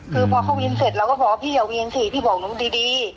คือพอเขาวินเสร็จเราก็บอกว่าพี่อย่าวินสิพี่บอกหนูดี